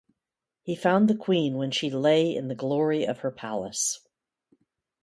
He found the queen when she lay in the glory of her palace.